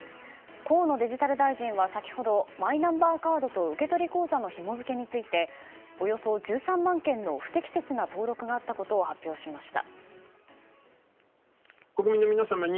河野デジタル大臣は、先ほどマイナンバーカードと受取口座のひも付けについておよそ１３万件の不適切な登録があったことを発表しました。